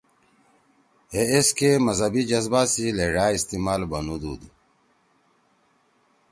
ہے ایسکے مذہبی جذبہ سی لھیڙأ استعمال بنُودُود